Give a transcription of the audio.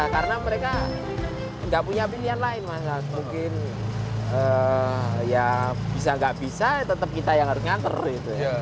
karena mereka tidak punya pilihan lain mungkin bisa tidak bisa tetap kita yang harus diantarkan